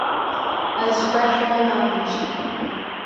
Ez ji ber xwe ve nabêjim.